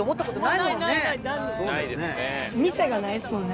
店がないですもんね